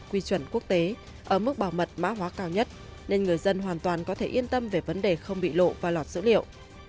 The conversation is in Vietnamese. quy chuẩn quốc tế ở mức bảo mật mã hóa cao nhất nên người dân hoàn toàn có thể yên tâm về vấn đề không bị lộ và lọt dữ liệu